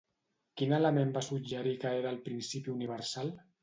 Quin element va suggerir que era el principi universal?